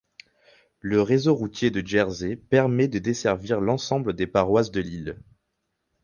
Le réseau routier de Jersey permet de desservir l'ensemble des paroisses de l'île.